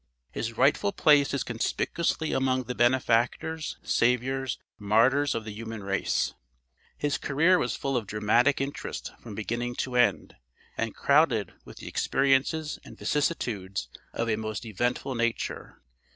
His rightful place is conspicuously among the benefactors, saviours, martyrs of the human race. His career was full of dramatic interest from beginning to end, and crowded with the experiences and vicissitudes of a most eventful nature.